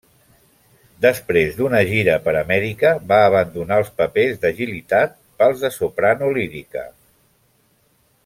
Després d'una gira per Amèrica va abandonar els papers d'agilitat pels de soprano lírica.